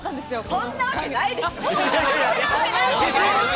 そんなわけないでしょ！